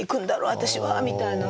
私は」みたいな。